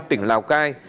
tỉnh lào cai